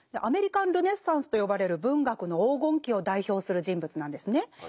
「アメリカン・ルネッサンス」と呼ばれる文学の黄金期を代表する人物なんですね。